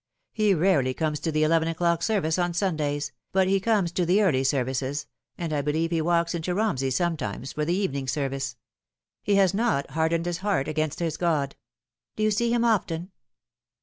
He rarely comes to the eleven o'clock service on Sundays, but he comes to the early services, and I believe he walks into Eomsey sometimes for the evening service. He has not hardened his heart against his God." " Do you see him often